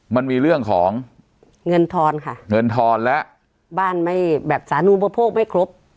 มันมีเรื่องของเงินทอนค่ะเงินทอนและบ้านไม่แบบสานูปโภคไม่ครบ